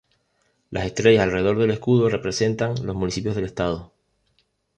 Las estrellas alrededor del escudo representan los municipios del estado.